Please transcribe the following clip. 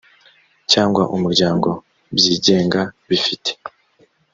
cyangwa umuryango byigenga bifite